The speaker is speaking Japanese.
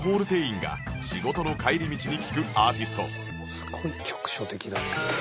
すごい局所的だね。